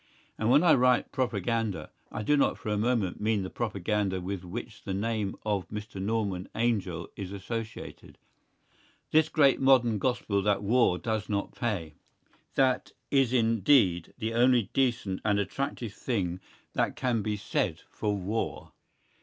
And when I write propaganda, I do not for a moment mean the propaganda with which the name of Mr. Norman Angell is associated; this great modern gospel that war does not pay. That is indeed the only decent and attractive thing that can still be said for war.